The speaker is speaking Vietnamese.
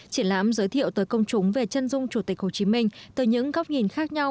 triển lãm giới thiệu tới công chúng về chân dung chủ tịch hồ chí minh từ những góc nhìn khác nhau